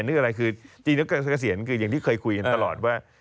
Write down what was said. นึกอาการขาเสียนจริงก็คืออย่างที่เคยคุยกันตลอดว่า